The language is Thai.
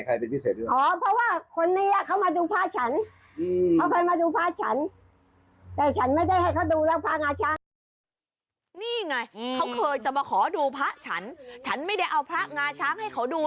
แท้อยากจะดูไหมฉันจะเอาให้ดู